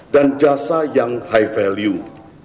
dan jasa yang high value